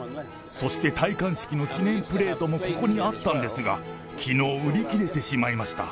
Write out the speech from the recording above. そして戴冠式の記念プレートもここにあったんですが、きのう売り切れてしまいました。